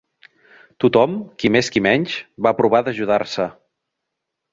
Tothom, qui més qui menys, va provar d'ajudar-se.